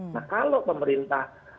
nah kalau pemerintah